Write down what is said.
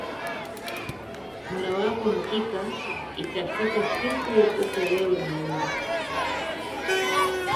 mola wako hakika itafika siku upo wewe mwenyewe